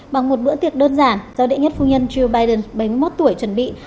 bằng một bữa tiệc đơn giản do đệ nhất phu nhân joe biden bảy mươi một tuổi chuẩn bị